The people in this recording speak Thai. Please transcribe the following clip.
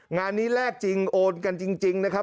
งานนี้แลกจริงโอนกันจริงนะครับ